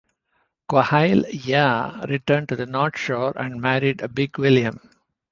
Quahail-ya returned to the North Shore and married "Big William".